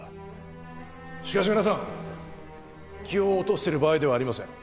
しかし皆さん気を落としている場合ではありません。